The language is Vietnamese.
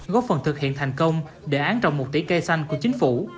góp phần thực hiện thành công để án trọng một tỷ cây xanh của chính phủ